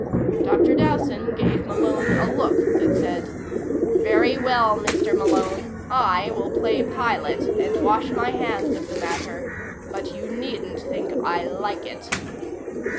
Dr. Dowson gave Malone a look that said: "Very well, Mr. Malone; I will play Pilate and wash my hands of the matter but you needn't think I like it."